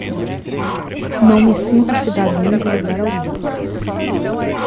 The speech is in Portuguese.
Não me sinto cidadã de lugar algum.